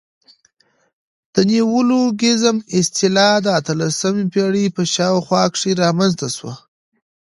د نیولوګیزم اصطلاح د اتلسمي پېړۍ په شاوخوا کښي رامنځ ته سوه.